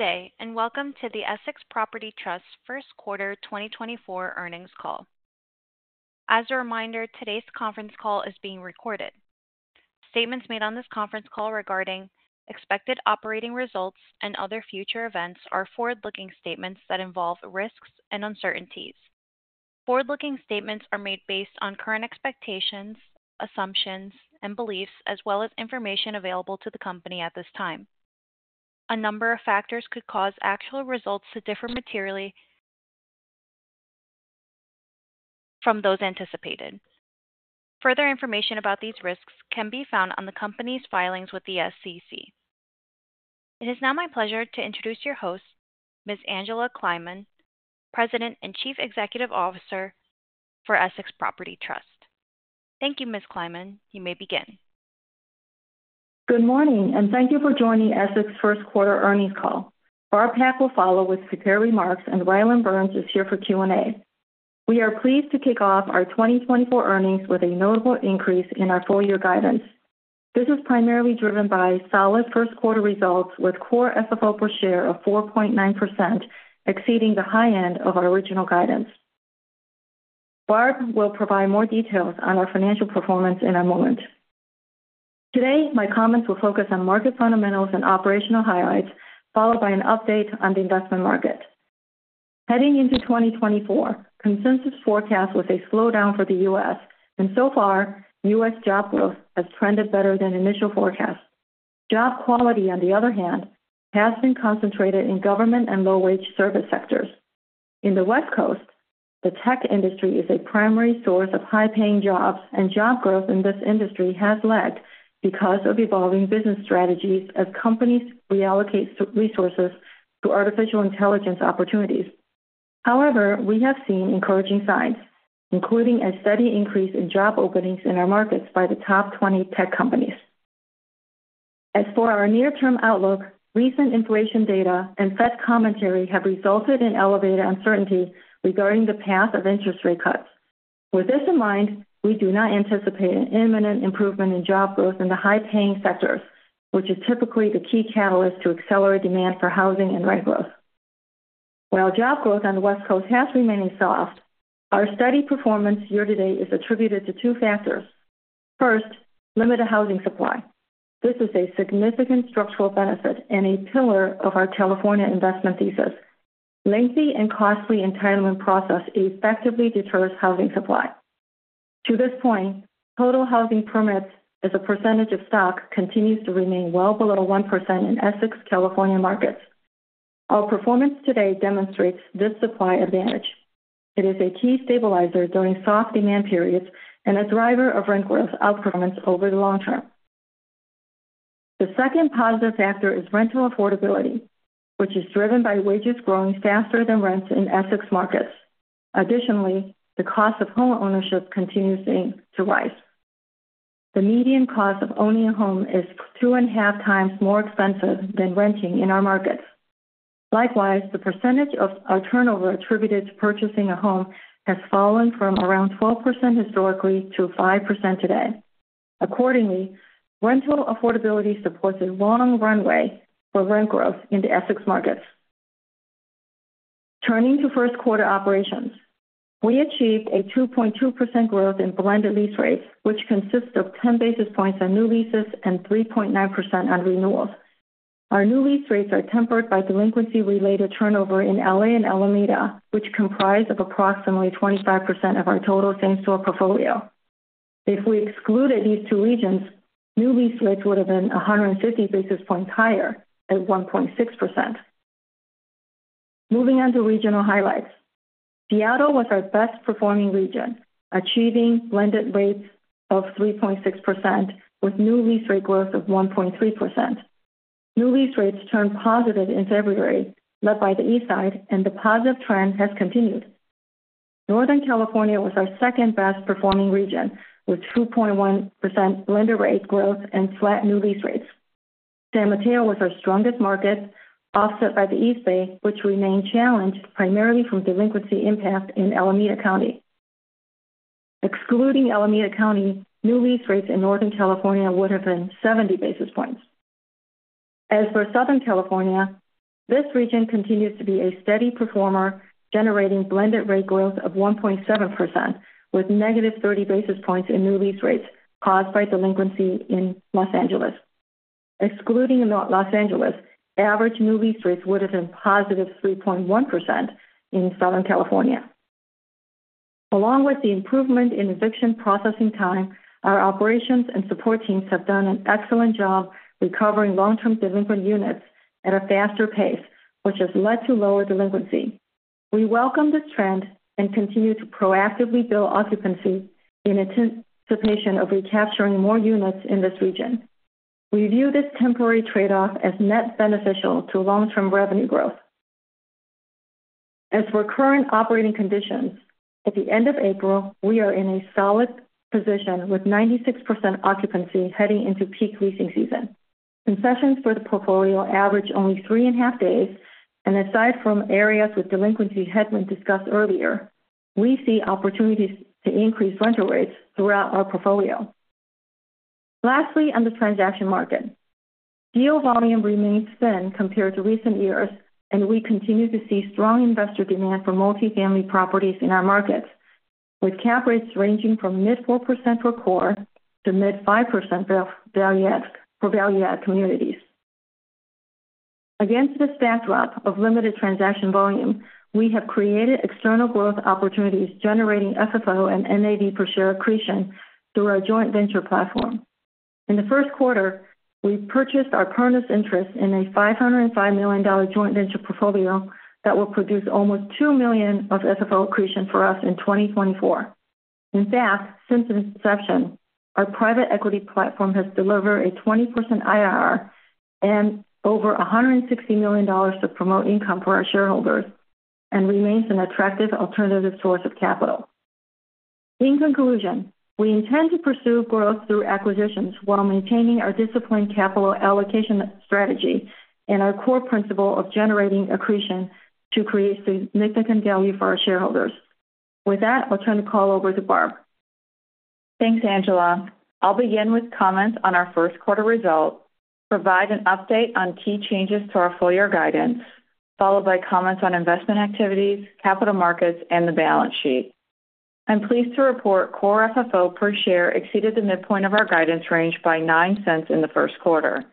Good day, and welcome to the Essex Property Trust first quarter 2024 earnings call. As a reminder, today's conference call is being recorded. Statements made on this conference call regarding expected operating results and other future events are forward-looking statements that involve risks and uncertainties. Forward-looking statements are made based on current expectations, assumptions, and beliefs, as well as information available to the company at this time. A number of factors could cause actual results to differ materially from those anticipated. Further information about these risks can be found on the company's filings with the SEC. It is now my pleasure to introduce your host, Ms. Angela Kleiman, President and Chief Executive Officer for Essex Property Trust. Thank you, Ms. Kleiman. You may begin. Good morning, and thank you for joining Essex first quarter earnings call. Barb Pak will follow with prepared remarks, and Rylan Burns is here for Q&A. We are pleased to kick off our 2024 earnings with a notable increase in our full year guidance. This is primarily driven by solid first quarter results with core FFO per share of 4.9%, exceeding the high end of our original guidance. Barb will provide more details on our financial performance in a moment. Today, my comments will focus on market fundamentals and operational highlights, followed by an update on the investment market. Heading into 2024, consensus forecast was a slowdown for the U.S., and so far, U.S. job growth has trended better than initial forecasts. Job quality, on the other hand, has been concentrated in government and low-wage service sectors. In the West Coast, the tech industry is a primary source of high-paying jobs, and job growth in this industry has led because of evolving business strategies as companies reallocate resources to artificial intelligence opportunities. However, we have seen encouraging signs, including a steady increase in job openings in our markets by the top 20 tech companies. As for our near-term outlook, recent inflation data and Fed commentary have resulted in elevated uncertainty regarding the path of interest rate cuts. With this in mind, we do not anticipate an imminent improvement in job growth in the high-paying sectors, which is typically the key catalyst to accelerate demand for housing and rent growth. While job growth on the West Coast has remained soft, our steady performance year to date is attributed to two factors. First, limited housing supply. This is a significant structural benefit and a pillar of our California investment thesis. Lengthy and costly entitlement process effectively deters housing supply. To this point, total housing permits as a percentage of stock continues to remain well below 1% in Essex, California markets. Our performance today demonstrates this supply advantage. It is a key stabilizer during soft demand periods and a driver of rent growth outperformance over the long term. The second positive factor is rental affordability, which is driven by wages growing faster than rents in Essex markets. Additionally, the cost of homeownership continues to rise. The median cost of owning a home is 2.5x more expensive than renting in our markets. Likewise, the percentage of our turnover attributed to purchasing a home has fallen from around 12% historically to 5% today. Accordingly, rental affordability supports a long runway for rent growth in the Essex markets. Turning to first quarter operations, we achieved a 2.2% growth in blended lease rates, which consists of 10 basis points on new leases and 3.9% on renewals. Our new lease rates are tempered by delinquency-related turnover in L.A. and Alameda, which comprise of approximately 25% of our total same-store portfolio. If we excluded these two regions, new lease rates would have been 150 basis points higher at 1.6%. Moving on to regional highlights. Seattle was our best performing region, achieving blended rates of 3.6%, with new lease rate growth of 1.3%. New lease rates turned positive in February, led by the Eastside, and the positive trend has continued. Northern California was our second best performing region, with 2.1% blended rate growth and flat new lease rates. San Mateo was our strongest market, offset by the East Bay, which remained challenged primarily from delinquency impact in Alameda County. Excluding Alameda County, new lease rates in Northern California would have been 70 basis points. As for Southern California, this region continues to be a steady performer, generating blended rate growth of 1.7%, with -30 basis points in new lease rates caused by delinquency in Los Angeles. Excluding Los Angeles, average new lease rates would have been +3.1% in Southern California. Along with the improvement in eviction processing time, our operations and support teams have done an excellent job recovering long-term delinquent units at a faster pace, which has led to lower delinquency. We welcome this trend and continue to proactively build occupancy in anticipation of recapturing more units in this region. We view this temporary trade-off as net beneficial to long-term revenue growth. As for current operating conditions, at the end of April, we are in a solid position with 96% occupancy heading into peak leasing season. Concessions for the portfolio average only 3.5 days, and aside from areas with delinquency headwinds discussed earlier, we see opportunities to increase rental rates throughout our portfolio. Lastly, on the transaction market. Deal volume remains thin compared to recent years, and we continue to see strong investor demand for multifamily properties in our markets, with cap rates ranging from mid-4% for core to mid-5% value-add for value-add communities. Against this backdrop of limited transaction volume, we have created external growth opportunities, generating FFO and NAV per share accretion through our joint venture platform. In the first quarter, we purchased our partner's interest in a $505 million joint venture portfolio that will produce almost $2 million of FFO accretion for us in 2024. In fact, since inception, our private equity platform has delivered a 20% IRR and over $160 million of promote income for our shareholders and remains an attractive alternative source of capital. In conclusion, we intend to pursue growth through acquisitions while maintaining our disciplined capital allocation strategy and our core principle of generating accretion to create significant value for our shareholders. With that, I'll turn the call over to Barb. Thanks, Angela. I'll begin with comments on our first quarter results, provide an update on key changes to our full-year guidance, followed by comments on investment activities, capital markets, and the balance sheet. I'm pleased to report Core FFO per share exceeded the midpoint of our guidance range by $0.09 in the first quarter.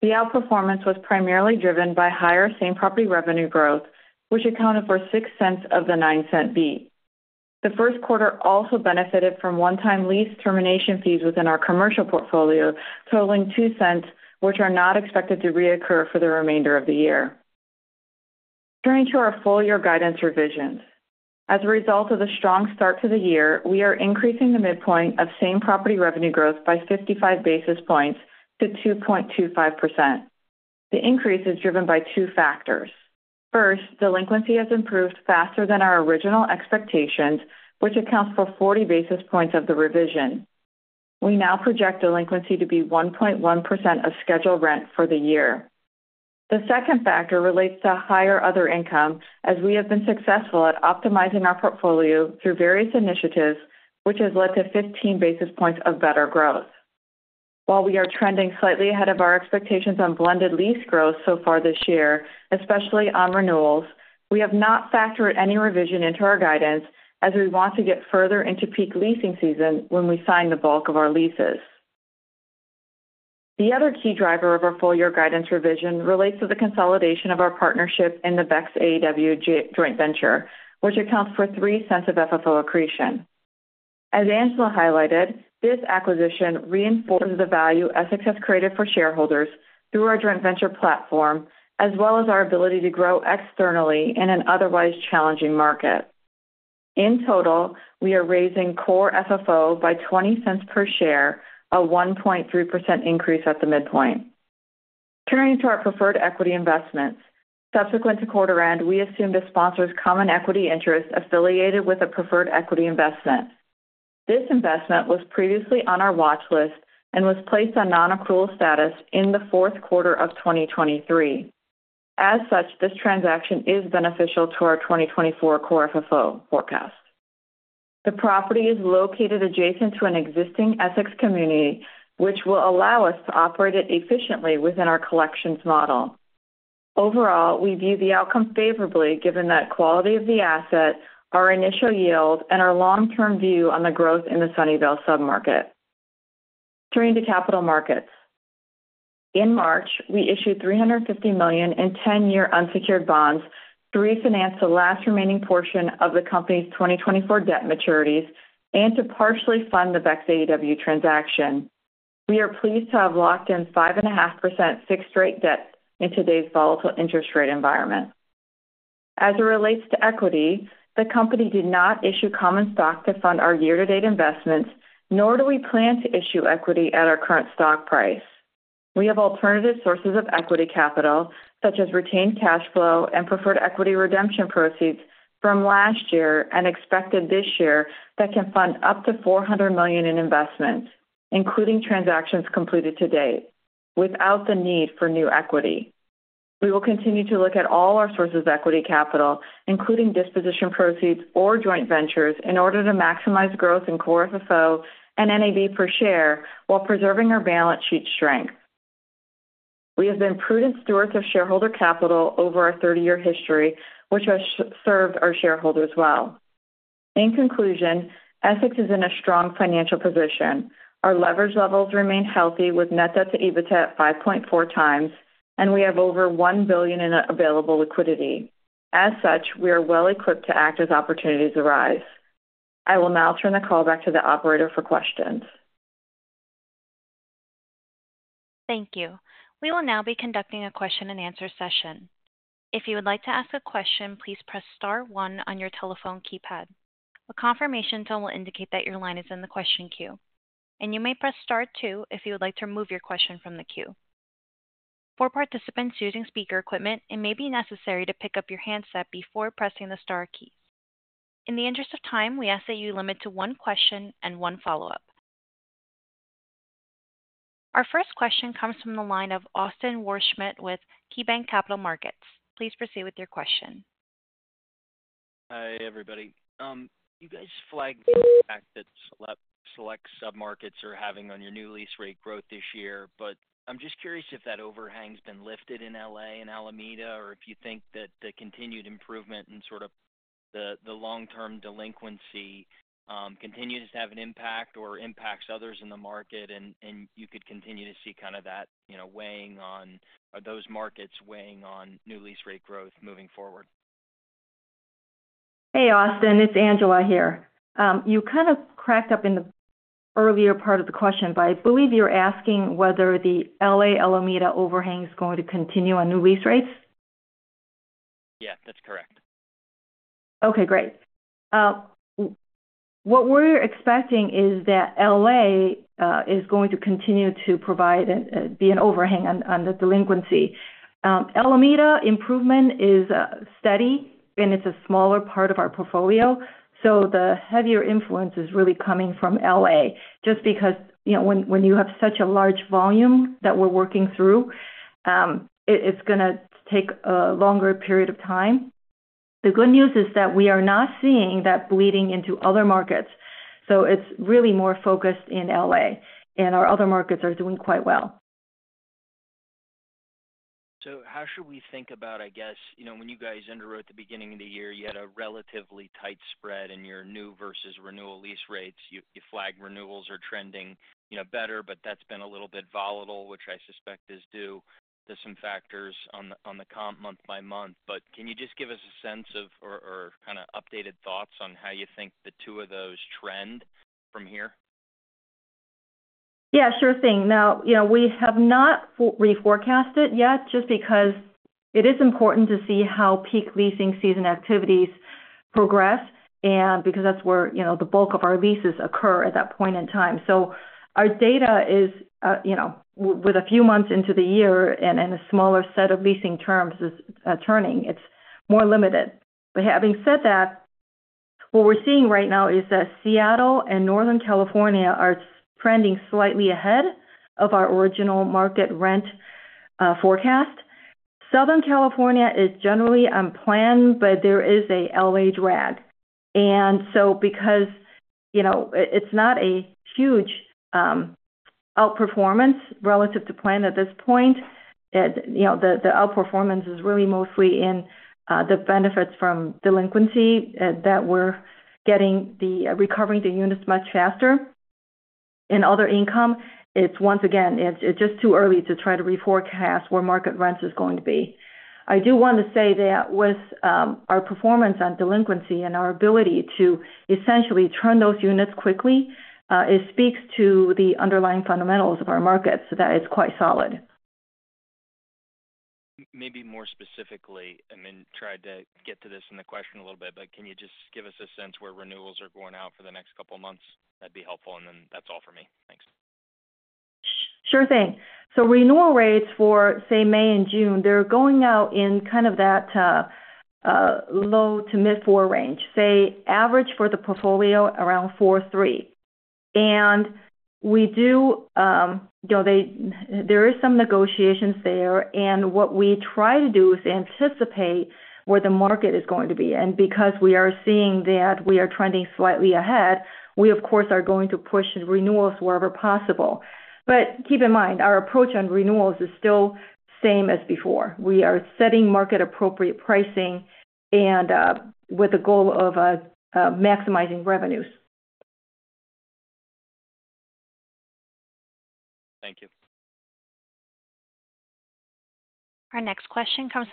The outperformance was primarily driven by higher same-property revenue growth, which accounted for $0.06 of the $0.09 beat. The first quarter also benefited from one-time lease termination fees within our commercial portfolio, totaling $0.02, which are not expected to reoccur for the remainder of the year. Turning to our full-year guidance revisions. As a result of the strong start to the year, we are increasing the midpoint of same-property revenue growth by 55 basis points to 2.25%. The increase is driven by two factors: First, delinquency has improved faster than our original expectations, which accounts for 40 basis points of the revision. We now project delinquency to be 1.1% of scheduled rent for the year. The second factor relates to higher other income, as we have been successful at optimizing our portfolio through various initiatives, which has led to 15 basis points of better growth. While we are trending slightly ahead of our expectations on blended lease growth so far this year, especially on renewals, we have not factored any revision into our guidance as we want to get further into peak leasing season when we sign the bulk of our leases. The other key driver of our full-year guidance revision relates to the consolidation of our partnership in the BEXAEW joint venture, which accounts for $0.03 of FFO accretion. As Angela highlighted, this acquisition reinforces the value Essex has created for shareholders through our joint venture platform, as well as our ability to grow externally in an otherwise challenging market. In total, we are raising core FFO by $0.20 per share, a 1.3% increase at the midpoint. Turning to our preferred equity investments. Subsequent to quarter end, we assumed a sponsor's common equity interest affiliated with a preferred equity investment. This investment was previously on our watch list and was placed on non-accrual status in the fourth quarter of 2023. As such, this transaction is beneficial to our 2024 core FFO forecast. The property is located adjacent to an existing Essex community, which will allow us to operate it efficiently within our collections model. Overall, we view the outcome favorably, given that quality of the asset, our initial yield, and our long-term view on the growth in the Sunnyvale submarket. Turning to capital markets. In March, we issued $350 million in 10-year unsecured bonds to refinance the last remaining portion of the company's 2024 debt maturities and to partially fund the BEXAEW transaction. We are pleased to have locked in 5.5% fixed rate debt in today's volatile interest rate environment. As it relates to equity, the company did not issue common stock to fund our year-to-date investments, nor do we plan to issue equity at our current stock price. We have alternative sources of equity capital, such as retained cash flow and preferred equity redemption proceeds from last year and expected this year, that can fund up to $400 million in investments, including transactions completed to date, without the need for new equity. We will continue to look at all our sources of equity capital, including disposition proceeds or joint ventures, in order to maximize growth in core FFO and NAV per share, while preserving our balance sheet strength. We have been prudent stewards of shareholder capital over our 30-year history, which has served our shareholders well. In conclusion, Essex is in a strong financial position. Our leverage levels remain healthy, with net debt to EBITDA at 5.4x, and we have over $1 billion in available liquidity. As such, we are well equipped to act as opportunities arise. I will now turn the call back to the operator for questions. Thank you. We will now be conducting a question-and-answer session. If you would like to ask a question, please press star one on your telephone keypad. A confirmation tone will indicate that your line is in the question queue, and you may press star two if you would like to remove your question from the queue. For participants using speaker equipment, it may be necessary to pick up your handset before pressing the star key. In the interest of time, we ask that you limit to one question and one follow-up. Our first question comes from the line of Austin Wurschmidt with KeyBanc Capital Markets. Please proceed with your question.... Hi, everybody. You guys flagged the fact that select, select submarkets are having on your new lease rate growth this year. But I'm just curious if that overhang's been lifted in L.A. and Alameda, or if you think that the continued improvement in sort of the long-term delinquency continues to have an impact or impacts others in the market, and you could continue to see kind of that, you know, weighing on—are those markets weighing on new lease rate growth moving forward? Hey, Austin, it's Angela here. You kind of cracked up in the earlier part of the question, but I believe you're asking whether the L.A.-Alameda overhang is going to continue on new lease rates? Yeah, that's correct. Okay, great. What we're expecting is that L.A. is going to continue to provide and be an overhang on the delinquency. Alameda improvement is steady, and it's a smaller part of our portfolio, so the heavier influence is really coming from L.A., just because, you know, when you have such a large volume that we're working through, it's gonna take a longer period of time. The good news is that we are not seeing that bleeding into other markets, so it's really more focused in L.A., and our other markets are doing quite well. So how should we think about, I guess, you know, when you guys underwrote the beginning of the year, you had a relatively tight spread in your new versus renewal lease rates. You flagged renewals are trending, you know, better, but that's been a little bit volatile, which I suspect is due to some factors on the comp month by month. But can you just give us a sense of, or kind of updated thoughts on how you think the two of those trend from here? Yeah, sure thing. Now, you know, we have not reforecasted yet just because it is important to see how peak leasing season activities progress, and because that's where, you know, the bulk of our leases occur at that point in time. So our data is, you know, with a few months into the year and, and a smaller set of leasing terms is turning, it's more limited. But having said that, what we're seeing right now is that Seattle and Northern California are trending slightly ahead of our original market rent forecast. Southern California is generally on plan, but there is a L.A. drag. And so because, you know, it, it's not a huge outperformance relative to plan at this point, you know, the outperformance is really mostly in the benefits from delinquency that we're recovering the units much faster. In other income, it's once again just too early to try to reforecast where market rent is going to be. I do want to say that with our performance on delinquency and our ability to essentially turn those units quickly, it speaks to the underlying fundamentals of our markets, that it's quite solid. Maybe more specifically, and then tried to get to this in the question a little bit, but can you just give us a sense where renewals are going out for the next couple of months? That'd be helpful, and then that's all for me. Thanks. Sure thing. So renewal rates for, say, May and June, they're going out in kind of that low-to-mid-4 range, say, average for the portfolio, around 4.3. And we do, you know, there is some negotiations there, and what we try to do is anticipate where the market is going to be. And because we are seeing that we are trending slightly ahead, we, of course, are going to push renewals wherever possible. But keep in mind, our approach on renewals is still same as before. We are setting market-appropriate pricing and, with the goal of, maximizing revenues. Thank you. Our next question comes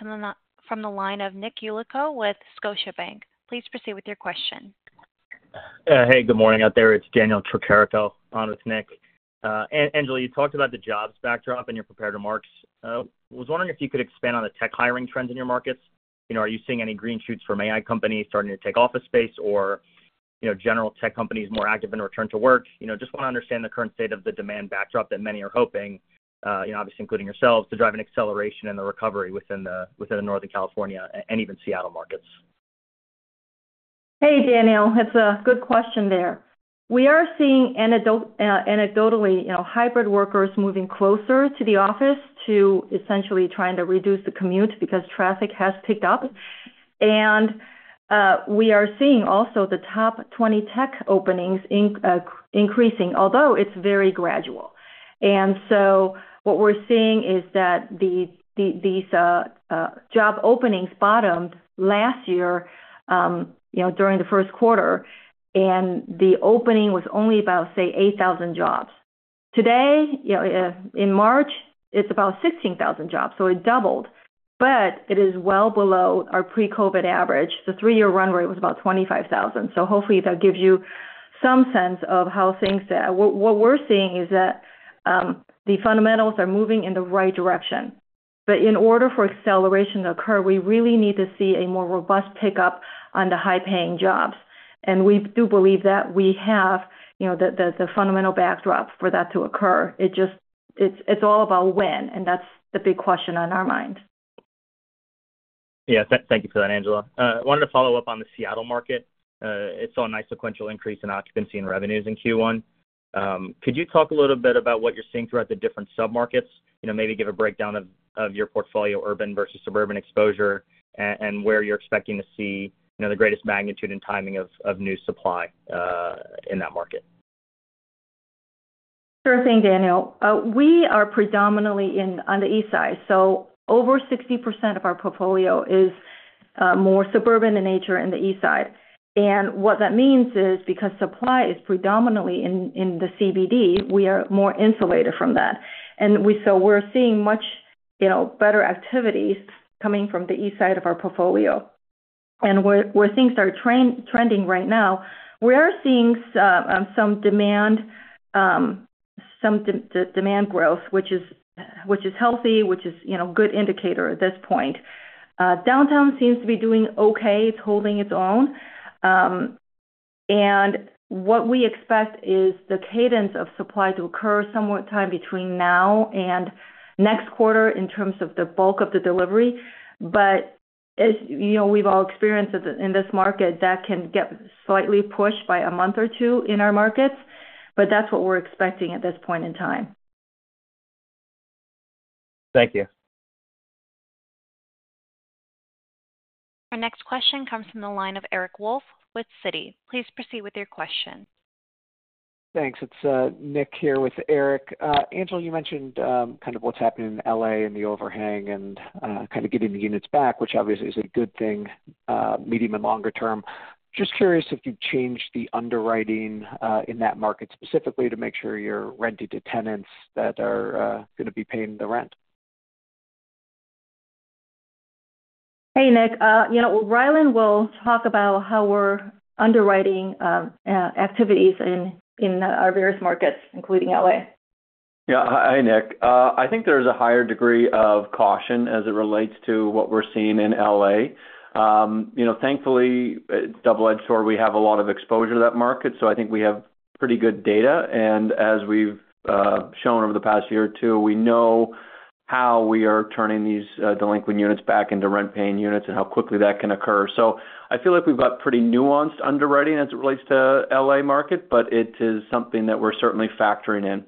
from the line of Nick Yulico with Scotiabank. Please proceed with your question. Hey, good morning out there. It's Daniel Tricarico on with Nick. Angela, you talked about the jobs backdrop in your prepared remarks. I was wondering if you could expand on the tech hiring trends in your markets. You know, are you seeing any green shoots from AI companies starting to take office space or, you know, general tech companies more active in return to work? You know, just want to understand the current state of the demand backdrop that many are hoping, you know, obviously including yourselves, to drive an acceleration in the recovery within the, within the Northern California and even Seattle markets. Hey, Daniel. It's a good question there. We are seeing anecdotally, you know, hybrid workers moving closer to the office to essentially trying to reduce the commute because traffic has picked up. And we are seeing also the top 20 tech openings increasing, although it's very gradual. And so what we're seeing is that the fundamentals are moving in the right direction. The job openings bottomed last year, you know, during the first quarter, and the opening was only about, say, 8,000 jobs. Today, you know, in March, it's about 16,000 jobs, so it doubled, but it is well below our pre-COVID average. The three-year run rate was about 25,000. So hopefully that gives you some sense of how things stand. But in order for acceleration to occur, we really need to see a more robust pickup on the high-paying jobs. And we do believe that we have, you know, the fundamental backdrop for that to occur. It just, it's all about when, and that's the big question on our mind. Yeah. Thank you for that, Angela. I wanted to follow up on the Seattle market. It saw a nice sequential increase in occupancy and revenues in Q1.... Could you talk a little bit about what you're seeing throughout the different submarkets? You know, maybe give a breakdown of your portfolio, urban versus suburban exposure, and where you're expecting to see, you know, the greatest magnitude and timing of new supply in that market. Sure thing, Daniel. We are predominantly in-- on the East Side. So over 60% of our portfolio is more suburban in nature in the East Side. And what that means is, because supply is predominantly in the CBD, we are more insulated from that. So we're seeing much, you know, better activity coming from the East Side of our portfolio. And where things are trending right now, we are seeing some demand, some demand growth, which is healthy, which is, you know, a good indicator at this point. Downtown seems to be doing okay, it's holding its own. And what we expect is the cadence of supply to occur some time between now and next quarter in terms of the bulk of the delivery. But as you know, we've all experienced it in this market, that can get slightly pushed by a month or two in our markets, but that's what we're expecting at this point in time. Thank you. Our next question comes from the line of Eric Wolfe with Citi. Please proceed with your question. Thanks. It's Nick here with Eric. Angela, you mentioned kind of what's happening in L.A. and the overhang and kind of getting the units back, which obviously is a good thing, medium and longer term. Just curious if you've changed the underwriting in that market specifically to make sure you're renting to tenants that are gonna be paying the rent? Hey, Nick. You know, Rylan will talk about how we're underwriting activities in our various markets, including L.A.. Yeah. Hi, Nick. I think there's a higher degree of caution as it relates to what we're seeing in L.A. You know, thankfully, it's a double-edged sword. We have a lot of exposure to that market, so I think we have pretty good data. And as we've shown over the past year or two, we know how we are turning these delinquent units back into rent-paying units and how quickly that can occur. So I feel like we've got pretty nuanced underwriting as it relates to L.A. market, but it is something that we're certainly factoring in.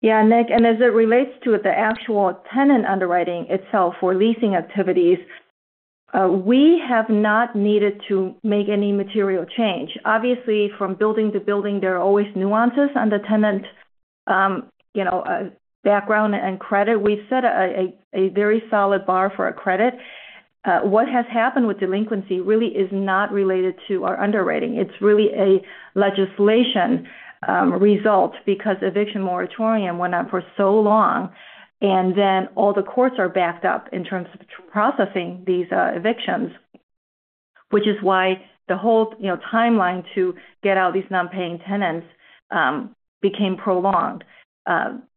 Yeah, Nick, and as it relates to the actual tenant underwriting itself for leasing activities, we have not needed to make any material change. Obviously, from building to building, there are always nuances on the tenant, you know, background and credit. We set a very solid bar for our credit. What has happened with delinquency really is not related to our underwriting. It's really a legislation result because eviction moratorium went on for so long, and then all the courts are backed up in terms of processing these evictions. Which is why the whole, you know, timeline to get out these non-paying tenants, became prolonged.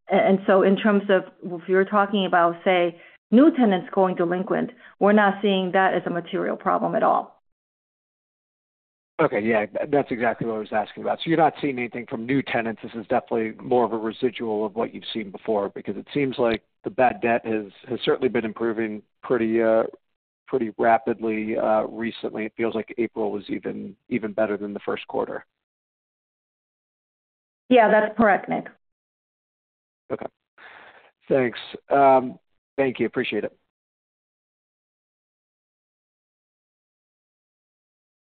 And so in terms of if you're talking about, say, new tenants going delinquent, we're not seeing that as a material problem at all. Okay. Yeah, that's exactly what I was asking about. So you're not seeing anything from new tenants. This is definitely more of a residual of what you've seen before, because it seems like the bad debt has certainly been improving pretty rapidly recently. It feels like April was even better than the first quarter. Yeah, that's correct, Nick. Okay. Thanks. Thank you. Appreciate it.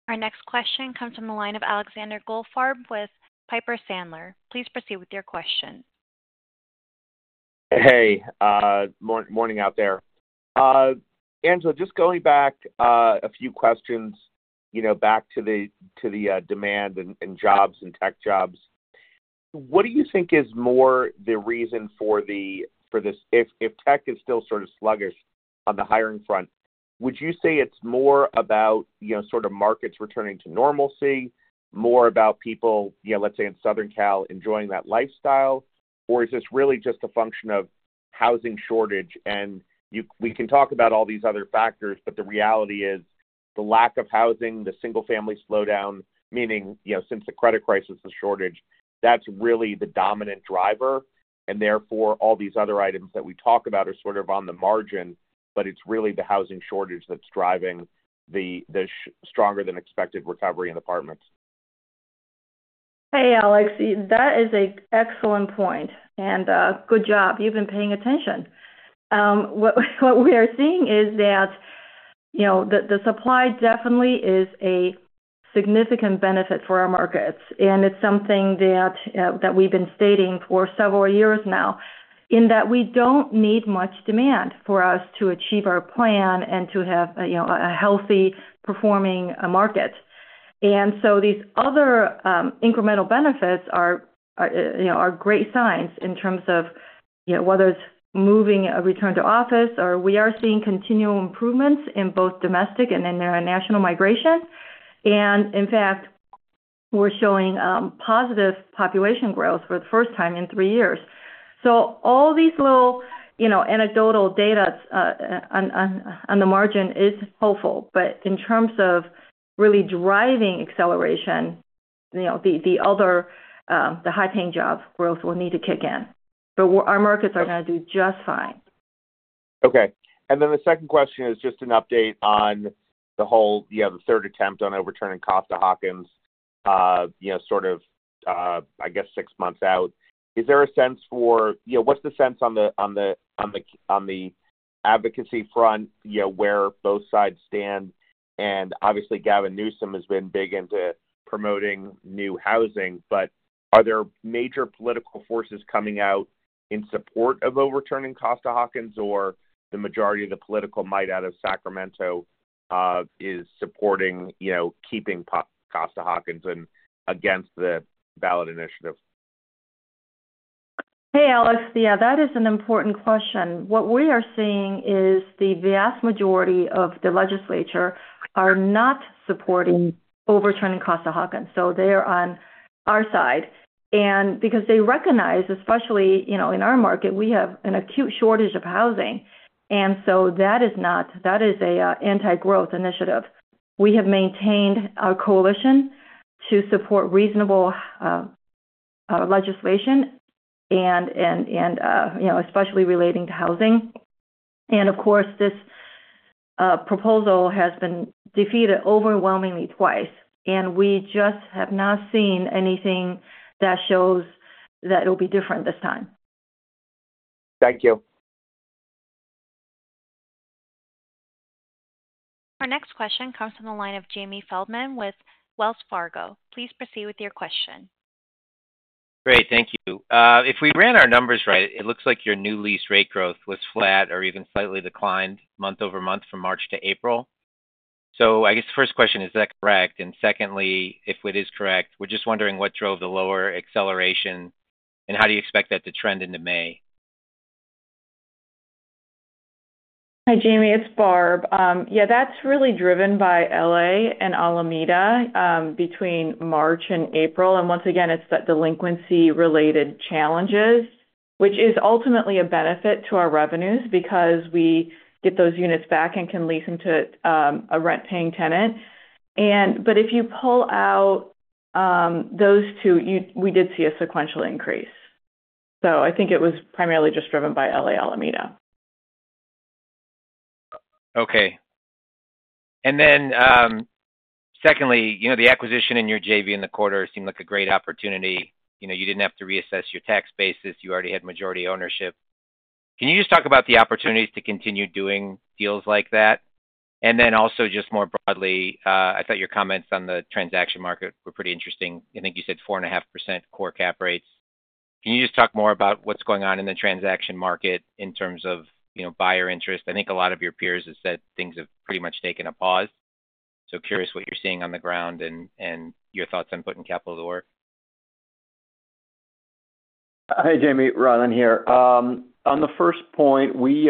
Our next question comes from the line of Alexander Goldfarb with Piper Sandler. Please proceed with your question. Hey, morning out there. Angela, just going back a few questions, you know, back to the demand and jobs and tech jobs. What do you think is more the reason for this if tech is still sort of sluggish on the hiring front? Would you say it's more about, you know, sort of markets returning to normalcy, more about people, you know, let's say in Southern Cal, enjoying that lifestyle? Or is this really just a function of housing shortage? We can talk about all these other factors, but the reality is the lack of housing, the single-family slowdown, meaning, you know, since the credit crisis, the shortage, that's really the dominant driver, and therefore, all these other items that we talk about are sort of on the margin, but it's really the housing shortage that's driving the stronger than expected recovery in apartments. Hey, Alex, that is an excellent point, and good job. You've been paying attention. What we are seeing is that, you know, the supply definitely is a significant benefit for our markets, and it's something that we've been stating for several years now, in that we don't need much demand for us to achieve our plan and to have a, you know, a healthy performing market. And so these other incremental benefits are, you know, great signs in terms of, you know, whether it's moving a return to office or we are seeing continual improvements in both domestic and in our national migration. And in fact, we're showing positive population growth for the first time in three years. So all these little, you know, anecdotal data on the margin is hopeful, but in terms of really driving acceleration, you know, the other high-paying job growth will need to kick in. But our markets are gonna do just fine.... Okay, and then the second question is just an update on the whole, you know, the third attempt on overturning Costa-Hawkins, you know, sort of, I guess, six months out. Is there a sense for you know, what's the sense on the advocacy front, you know, where both sides stand? And obviously, Gavin Newsom has been big into promoting new housing, but are there major political forces coming out in support of overturning Costa-Hawkins, or the majority of the political might out of Sacramento is supporting, you know, keeping Costa-Hawkins and against the ballot initiative? Hey, Alex. Yeah, that is an important question. What we are seeing is the vast majority of the legislature are not supporting overturning Costa-Hawkins, so they are on our side. And because they recognize, especially, you know, in our market, we have an acute shortage of housing, and so that is not. That is a anti-growth initiative. We have maintained a coalition to support reasonable legislation and, you know, especially relating to housing. And of course, this proposal has been defeated overwhelmingly twice, and we just have not seen anything that shows that it'll be different this time. Thank you. Our next question comes from the line of Jamie Feldman with Wells Fargo. Please proceed with your question. Great. Thank you. If we ran our numbers right, it looks like your new lease rate growth was flat or even slightly declined month-over-month from March to April. So I guess the first question, is that correct? And secondly, if it is correct, we're just wondering what drove the lower acceleration, and how do you expect that to trend into May? Hi, Jamie, it's Barb. Yeah, that's really driven by L.A. and Alameda between March and April. And once again, it's the delinquency-related challenges, which is ultimately a benefit to our revenues because we get those units back and can lease them to a rent-paying tenant. And but if you pull out those two, we did see a sequential increase. So I think it was primarily just driven by L.A., Alameda. Okay. And then, secondly, you know, the acquisition in your JV in the quarter seemed like a great opportunity. You know, you didn't have to reassess your tax basis. You already had majority ownership. Can you just talk about the opportunities to continue doing deals like that? And then also, just more broadly, I thought your comments on the transaction market were pretty interesting. I think you said 4.5% core cap rates. Can you just talk more about what's going on in the transaction market in terms of, you know, buyer interest? I think a lot of your peers have said things have pretty much taken a pause. So curious what you're seeing on the ground and your thoughts on putting capital to work. Hi, Jamie, Rylan here. On the first point, we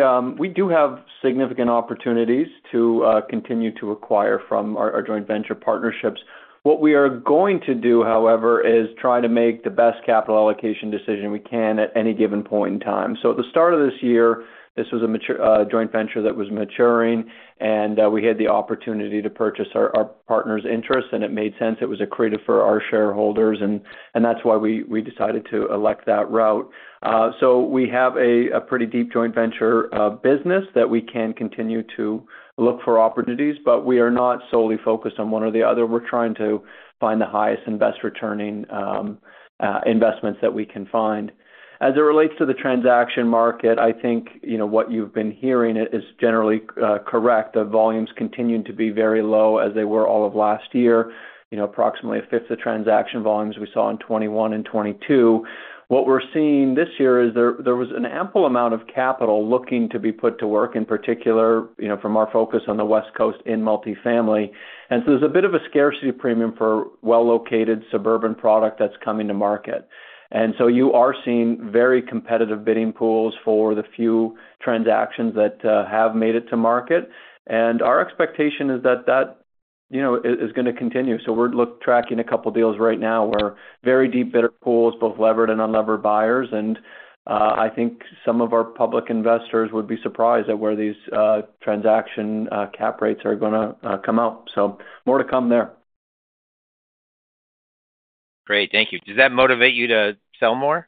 do have significant opportunities to continue to acquire from our joint venture partnerships. What we are going to do, however, is try to make the best capital allocation decision we can at any given point in time. So at the start of this year, this was a mature joint venture that was maturing, and we had the opportunity to purchase our partner's interest, and it made sense. It was accretive for our shareholders, and that's why we decided to elect that route. So we have a pretty deep joint venture business that we can continue to look for opportunities, but we are not solely focused on one or the other. We're trying to find the highest and best returning investments that we can find. As it relates to the transaction market, I think, you know, what you've been hearing is generally correct. The volumes continuing to be very low as they were all of last year. You know, approximately a fifth of transaction volumes we saw in 2021 and 2022. What we're seeing this year is that there was an ample amount of capital looking to be put to work, in particular, you know, from our focus on the West Coast in multifamily. And so there's a bit of a scarcity premium for well-located suburban product that's coming to market. And so you are seeing very competitive bidding pools for the few transactions that have made it to market. And our expectation is that, you know, is gonna continue. So we're tracking a couple deals right now where very deep bidder pools, both levered and unlevered buyers. I think some of our public investors would be surprised at where these transaction cap rates are gonna come out. More to come there. Great. Thank you. Does that motivate you to sell more?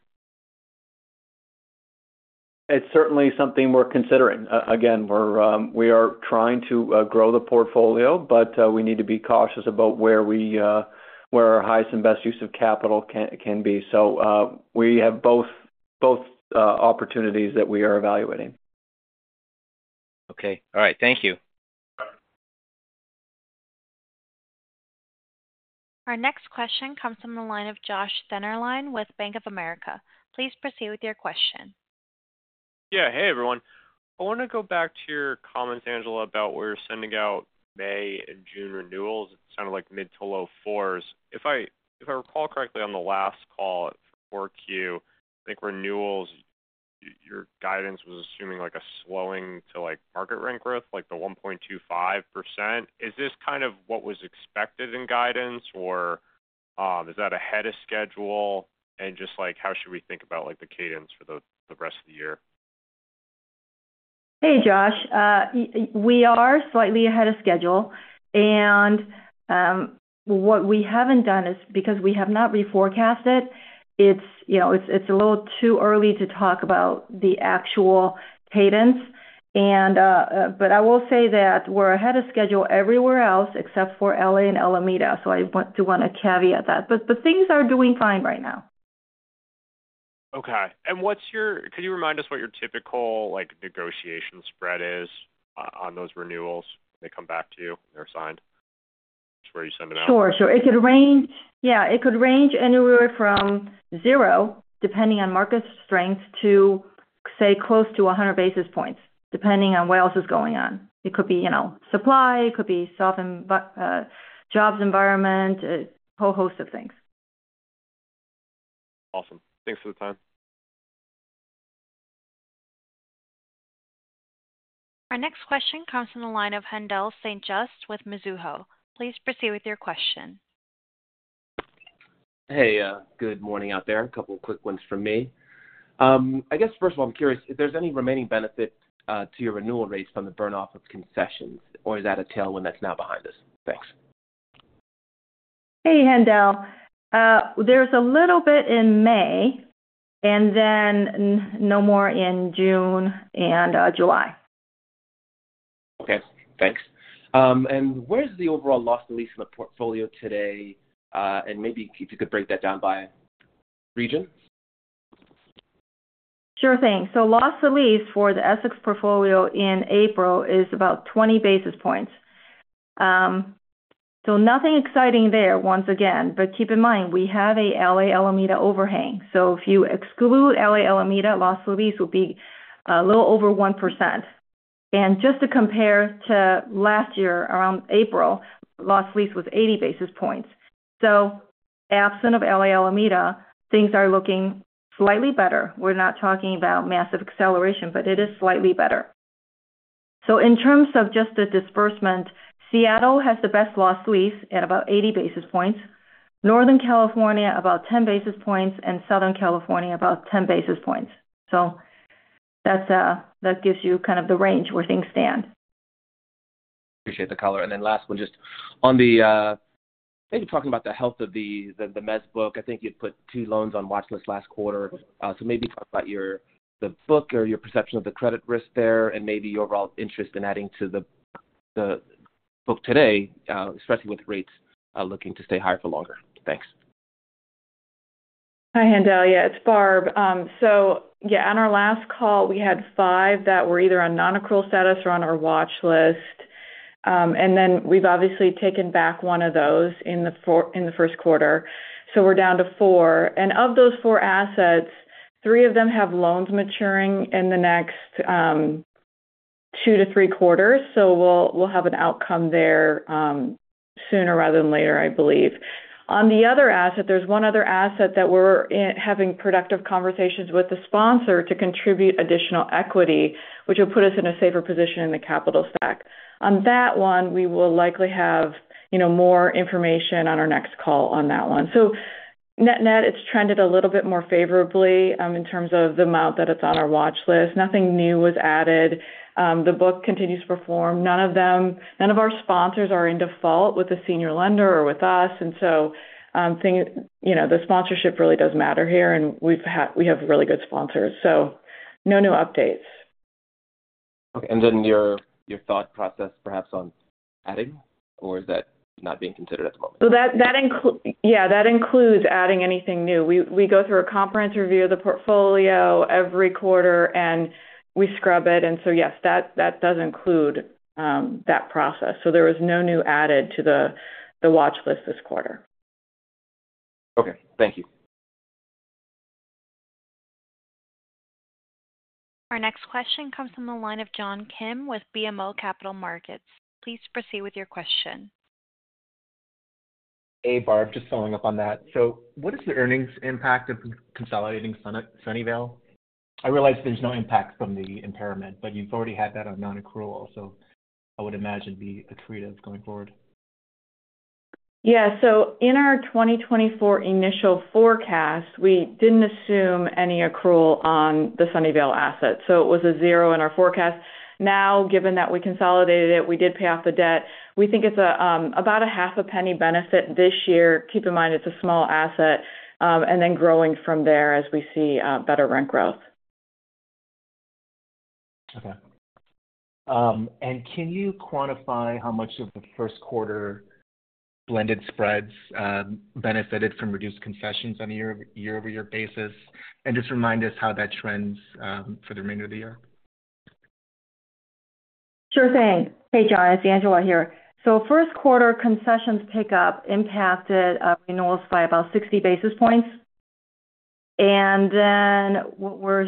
It's certainly something we're considering. Again, we are trying to grow the portfolio, but we need to be cautious about where our highest and best use of capital can be. So, we have both opportunities that we are evaluating. Okay. All right, thank you. Our next question comes from the line of Joshua Dennerlein with Bank of America. Please proceed with your question. Yeah. Hey, everyone. I want to go back to your comments, Angela, about we're sending out May and June renewals, sounded like mid- to low-4s. If I recall correctly, on the last call 4Q, I think renewals, your guidance was assuming like a slowing to like market rent growth, like the 1.25%. Is this kind of what was expected in guidance, or is that ahead of schedule? And just like, how should we think about like the cadence for the rest of the year? Hey, Josh.... we are slightly ahead of schedule, and what we haven't done is because we have not reforecast it. It's, you know, it's a little too early to talk about the actual cadence. But I will say that we're ahead of schedule everywhere else except for L.A. and Alameda, so I want to caveat that. But things are doing fine right now. Okay. And can you remind us what your typical, like, negotiation spread is on those renewals when they come back to you, they're signed? That's where you send it out. Sure. Sure. It could range. Yeah, it could range anywhere from zero, depending on market strength, to, say, close to 100 basis points, depending on what else is going on. It could be, you know, supply, it could be soft environment, jobs environment, a whole host of things. Awesome. Thanks for the time. Our next question comes from the line of Haendel St. Juste with Mizuho. Please proceed with your question. Hey, good morning out there. A couple quick ones from me. I guess first of all, I'm curious if there's any remaining benefit to your renewal rates from the burn-off of concessions, or is that a tailwind that's now behind us? Thanks. Hey, Haendel. There's a little bit in May, and then no more in June and July. Okay, thanks. And where's the overall loss-to-lease in the portfolio today? And maybe if you could break that down by region. Sure thing. So loss-to-lease for the Essex portfolio in April is about 20 basis points. So nothing exciting there once again. But keep in mind, we have a L.A.-Alameda overhang, so if you exclude L.A.-Alameda, loss-to-lease will be a little over 1%. And just to compare to last year, around April, loss lease was 80 basis points. So absent of L.A.-Alameda, things are looking slightly better. We're not talking about massive acceleration, but it is slightly better. So in terms of just the disbursement, Seattle has the best loss lease at about 80 basis points, Northern California, about 10 basis points, and Southern California, about 10 basis points. So that's, that gives you kind of the range where things stand. Appreciate the color. And then last one, just on the, maybe talking about the health of the mezz book. I think you'd put two loans on watchlist last quarter. So maybe talk about your, the book or your perception of the credit risk there and maybe your overall interest in adding to the book today, especially with rates looking to stay high for longer. Thanks. Hi, Haendel. Yeah, it's Barb. So yeah, on our last call, we had five that were either on non-accrual status or on our watchlist. And then we've obviously taken back one of those in the first quarter, so we're down to four. And of those four assets, three of them have loans maturing in the next two quarters-three quarters, so we'll have an outcome there sooner rather than later, I believe. On the other asset, there's one other asset that we're having productive conversations with the sponsor to contribute additional equity, which will put us in a safer position in the capital stack. On that one, we will likely have, you know, more information on our next call on that one. So net-net, it's trended a little bit more favorably in terms of the amount that it's on our watchlist. Nothing new was added. The book continues to perform. None of our sponsors are in default with the senior lender or with us, and so things, you know, the sponsorship really does matter here, and we have really good sponsors, so no new updates. Okay, and then your, your thought process perhaps on adding, or is that not being considered at the moment? Yeah, that includes adding anything new. We go through a comprehensive review of the portfolio every quarter, and we scrub it, and so, yes, that does include that process. So there was no new added to the watchlist this quarter. Okay, thank you. Our next question comes from the line of John Kim with BMO Capital Markets. Please proceed with your question. Hey, Barb, just following up on that: So what is the earnings impact of consolidating Sunnyvale? I realize there's no impact from the impairment, but you've already had that on non-accrual, so I would imagine it'd be accretive going forward. Yeah. So in our 2024 initial forecast, we didn't assume any accrual on the Sunnyvale asset, so it was a zero in our forecast. Now, given that we consolidated it, we did pay off the debt. We think it's about a 1/2 a penny benefit this year. Keep in mind, it's a small asset, and then growing from there as we see better rent growth. Okay. Can you quantify how much of the first quarter blended spreads benefited from reduced concessions on a year-over-year basis? Just remind us how that trends for the remainder of the year. Sure thing. Hey, John, it's Angela here. So first quarter concessions pickup impacted renewals by about 60 basis points. And then what we're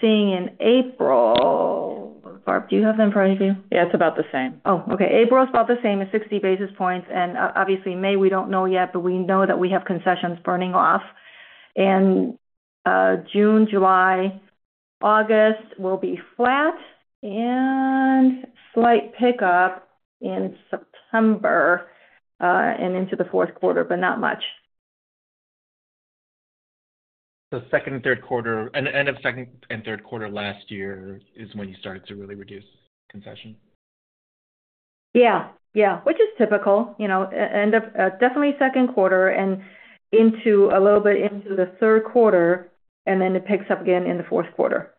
seeing in April... Barb, do you have them in front of you? Yeah, it's about the same. Oh, okay. April is about the same as 60 basis points, and obviously, May, we don't know yet, but we know that we have concessions burning off. In June, July, August will be flat and slight pickup in September and into the fourth quarter, but not much. ... The second and third quarter, and end of second and third quarter last year is when you started to really reduce concession? Yeah, yeah, which is typical. You know, end of, definitely second quarter and into a little bit into the third quarter, and then it picks up again in the fourth quarter.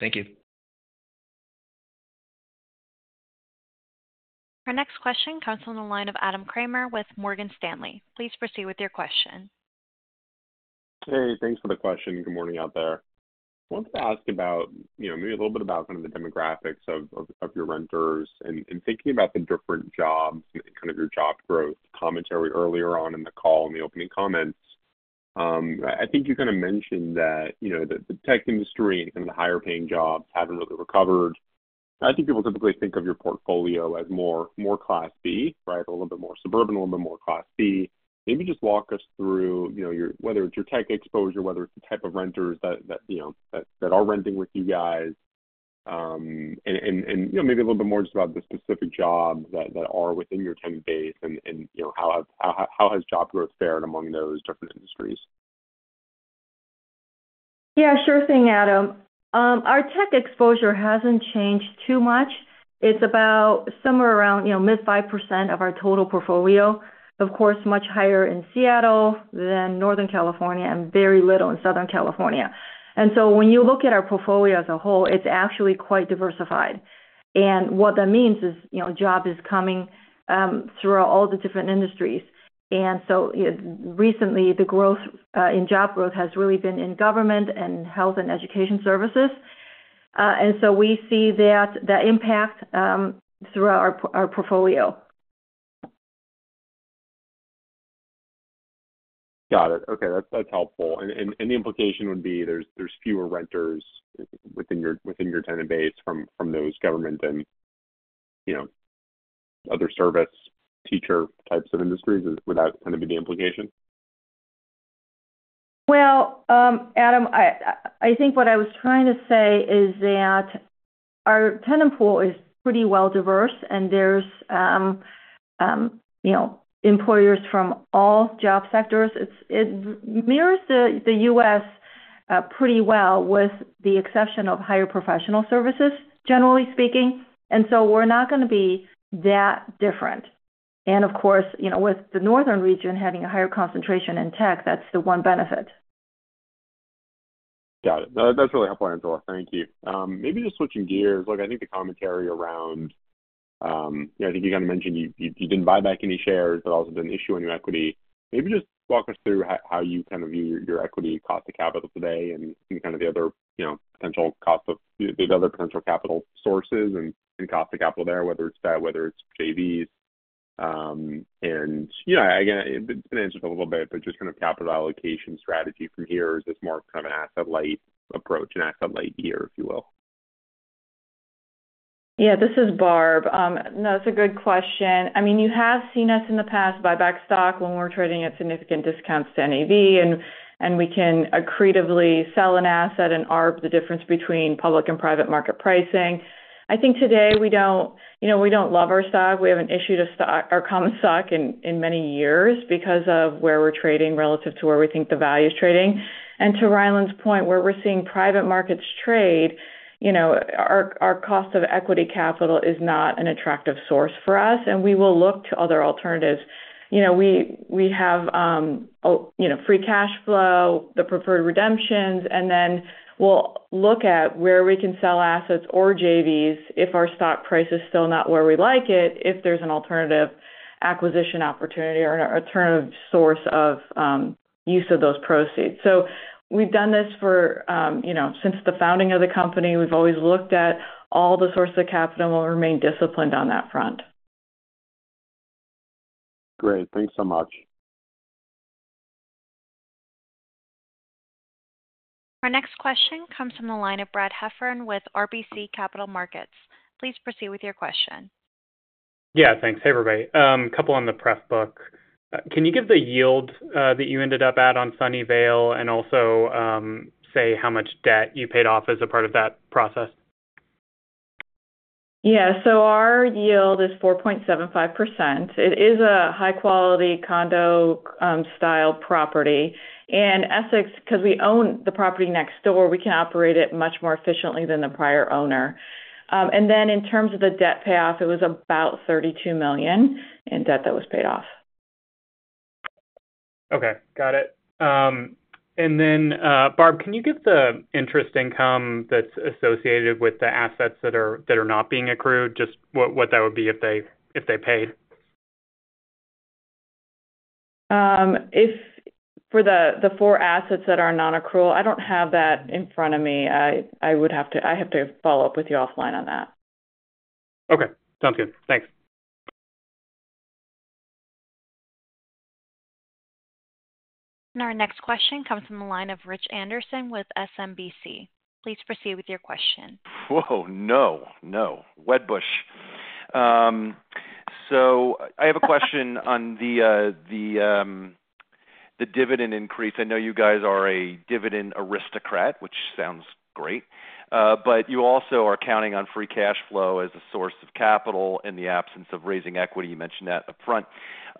Thank you. Our next question comes from the line of Adam Kramer with Morgan Stanley. Please proceed with your question. Hey, thanks for the question. Good morning out there. Wanted to ask about, you know, maybe a little bit about kind of the demographics of your renters and thinking about the different jobs and kind of your job growth commentary earlier on in the call, in the opening comments. I think you kind of mentioned that, you know, the tech industry and the higher paying jobs haven't really recovered. I think people typically think of your portfolio as more Class B, right? A little bit more suburban, a little bit more Class C. Maybe just walk us through, you know, your, whether it's your tech exposure, whether it's the type of renters that you know that are renting with you guys. And you know, maybe a little bit more just about the specific jobs that are within your tenant base and you know, how has job growth fared among those different industries? Yeah, sure thing, Adam. Our tech exposure hasn't changed too much. It's about somewhere around, you know, mid-5% of our total portfolio. Of course, much higher in Seattle than Northern California and very little in Southern California. And so when you look at our portfolio as a whole, it's actually quite diversified. And what that means is, you know, job is coming throughout all the different industries. And so recently, the growth in job growth has really been in government and health and education services. And so we see that, that impact throughout our portfolio. Got it. Okay, that's helpful. And the implication would be there's fewer renters within your tenant base from those government and, you know, other service teacher types of industries. Would that kind of be the implication? Well, Adam, I think what I was trying to say is that our tenant pool is pretty well diverse, and there's, you know, employers from all job sectors. It mirrors the U.S. pretty well, with the exception of higher professional services, generally speaking, and so we're not gonna be that different. And of course, you know, with the Northern region having a higher concentration in tech, that's the one benefit. Got it. That's really helpful, Angela. Thank you. Maybe just switching gears, look, I think the commentary around, you know, I think you kind of mentioned you didn't buy back any shares, but also didn't issue any equity. Maybe just walk us through how you kind of view your equity cost of capital today and kind of the other, you know, potential cost of – the other potential capital sources and cost of capital there, whether it's debt, whether it's JVs. And, you know, again, it's been answered a little bit, but just kind of capital allocation strategy from here. Is this more of kind of an asset-light approach and asset-light year, if you will? Yeah, this is Barb. No, it's a good question. I mean, you have seen us in the past buy back stock when we're trading at significant discounts to NAV, and we can accretively sell an asset and arb the difference between public and private market pricing. I think today we don't... You know, we don't love our stock. We haven't issued a stock, our common stock in many years because of where we're trading relative to where we think the value is trading. And to Rylan's point, where we're seeing private markets trade, you know, our cost of equity capital is not an attractive source for us, and we will look to other alternatives. You know, we have, you know, free cash flow, the preferred redemptions, and then we'll look at where we can sell assets or JVs if our stock price is still not where we like it, if there's an alternative acquisition opportunity or alternative source of use of those proceeds. So we've done this for, you know, since the founding of the company. We've always looked at all the sources of capital and we'll remain disciplined on that front. Great. Thanks so much. Our next question comes from the line of Brad Heffern with RBC Capital Markets. Please proceed with your question. Yeah, thanks. Hey, everybody. Couple on the press book. Can you give the yield that you ended up at on Sunnyvale and also say how much debt you paid off as a part of that process? Yeah. So our yield is 4.75%. It is a high-quality condo, style property. And Essex, because we own the property next door, we can operate it much more efficiently than the prior owner. And then in terms of the debt payoff, it was about $32 million in debt that was paid off. Okay, got it. And then, Barb, can you give the interest income that's associated with the assets that are not being accrued, just what that would be if they paid? If for the four assets that are nonaccrual, I don't have that in front of me. I would have to follow up with you offline on that. Okay, sounds good. Thanks. Our next question comes from the line of Rich Anderson with Wedbush. Please proceed with your question. Whoa! No, no, Wedbush.... So I have a question on the dividend increase. I know you guys are a Dividend Aristocrat, which sounds great, but you also are counting on free cash flow as a source of capital in the absence of raising equity. You mentioned that upfront.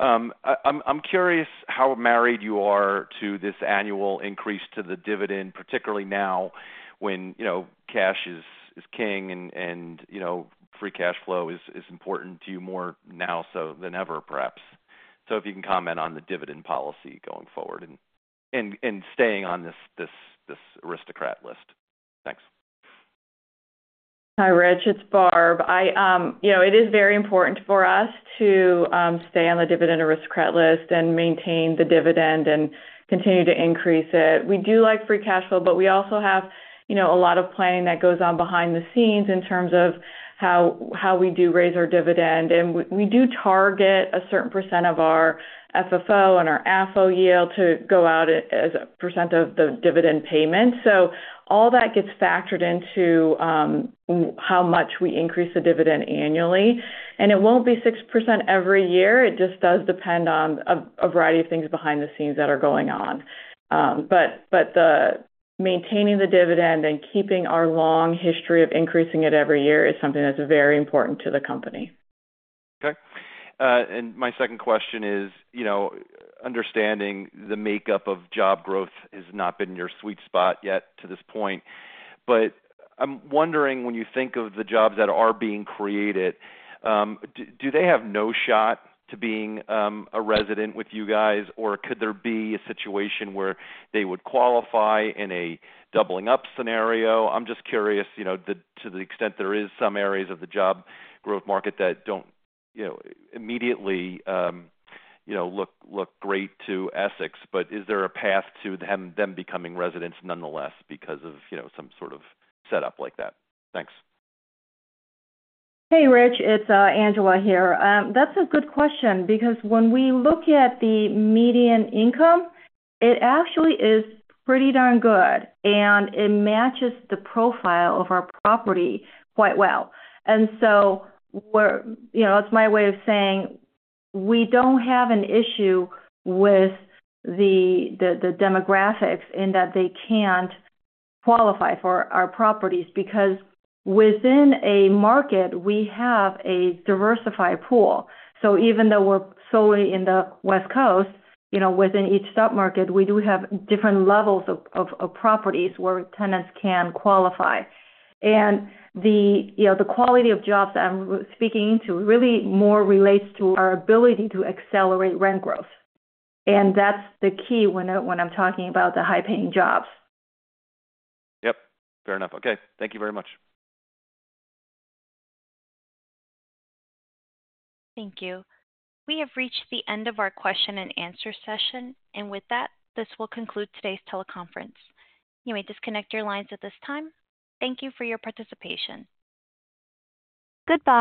I'm curious how married you are to this annual increase to the dividend, particularly now, when, you know, cash is king and, you know, free cash flow is important to you more now so than ever, perhaps. So if you can comment on the dividend policy going forward and staying on this aristocrat list. Thanks. Hi, Rich, it's Barb. I, you know, it is very important for us to stay on the Dividend Aristocrat list and maintain the dividend and continue to increase it. We do like free cash flow, but we also have, you know, a lot of planning that goes on behind the scenes in terms of how we do raise our dividend. And we do target a certain percent of our FFO and our AFFO yield to go out as a percent of the dividend payment. So all that gets factored into how much we increase the dividend annually, and it won't be 6% every year. It just does depend on a variety of things behind the scenes that are going on. But maintaining the dividend and keeping our long history of increasing it every year is something that's very important to the company. Okay. My second question is, you know, understanding the makeup of job growth has not been your sweet spot yet to this point, but I'm wondering, when you think of the jobs that are being created, do they have no shot to being a resident with you guys? Or could there be a situation where they would qualify in a doubling up scenario? I'm just curious, you know, to the extent there is some areas of the job growth market that don't, you know, immediately, you know, look great to Essex, but is there a path to them becoming residents nonetheless because of, you know, some sort of setup like that? Thanks. Hey, Rich. It's Angela here. That's a good question, because when we look at the median income, it actually is pretty darn good, and it matches the profile of our property quite well. And so we're, you know, that's my way of saying we don't have an issue with the demographics, in that they can't qualify for our properties, because within a market, we have a diversified pool. So even though we're solely in the West Coast, you know, within each sub-market, we do have different levels of properties where tenants can qualify. And the, you know, the quality of jobs that I'm speaking into really more relates to our ability to accelerate rent growth, and that's the key when I'm talking about the high-paying jobs. Yep, fair enough. Okay, thank you very much. Thank you. We have reached the end of our question and answer session, and with that, this will conclude today's teleconference. You may disconnect your lines at this time. Thank you for your participation. Goodbye.